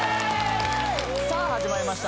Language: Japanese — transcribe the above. さあ始まりました